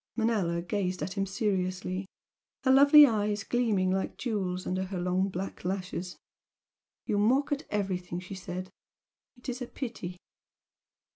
Manella gazed at him seriously her lovely eyes gleaming like jewels under her long black lashes. "You mock at everything," she said "It is a pity!"